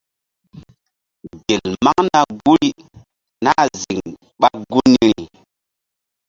Gel maŋna guri nah ziŋ ɓa gunri.